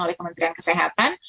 oleh kementerian kesehatan